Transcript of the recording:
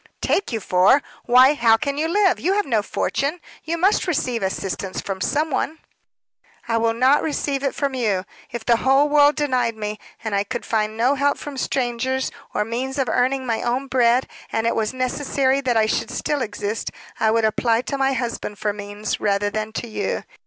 "Take you for! Why, how can you live? You have no fortune you must receive assistance from some one." "I will not receive it from you. If the whole world denied me, and I could find no help from strangers, or means of earning my own bread, and it was necessary that I should still exist, I would apply to my husband for means, rather than to you.